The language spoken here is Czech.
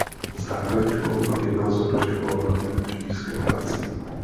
Základní školu a gymnázium navštěvoval v rodném Štýrském Hradci.